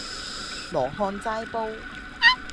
羅漢齋煲